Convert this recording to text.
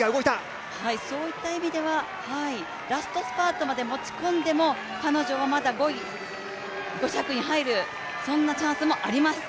そういった意味ではラストスパートまで持ち込んでも彼女はまだ５着に入るそんなチャンスもあります。